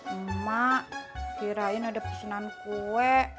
emak kirain ada pesanan kue